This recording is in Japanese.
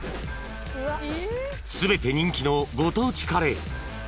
［全て人気のご当地カレー］